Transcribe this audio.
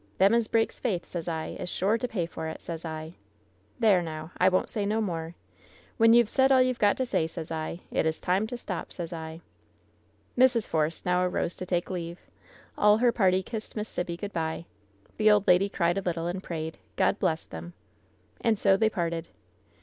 Them as breaks faith, sez I, is sure to pay for it, sez I. There, now, I won't say no more. When you've said all you've got to say, sez I, it is time to stop, sez I.'' Mrs. JForce now arose to take leave. All her party kissed Miss Sibby good by. The old lady cried a little, and prayed: ''God bless them." And so they parted.